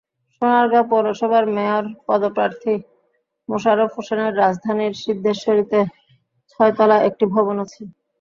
সোনারগাঁ পৌরসভার মেয়র পদপ্রার্থী মোশাররফ হোসেনের রাজধানীর সিদ্ধেশ্বরীতে ছয়তলা একটি ভবন আছে।